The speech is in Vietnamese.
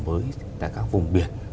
với các vùng biển